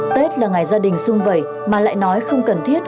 tết là ngày gia đình xung vẩy mà lại nói không cần thiết